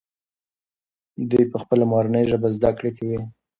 دوی په خپله مورنۍ ژبه زده کړه کوي.